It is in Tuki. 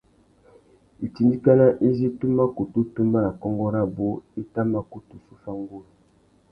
Itindikana izí tu mà kutu tumba nà kônkô rabú i tà mà kutu zu fá nguru.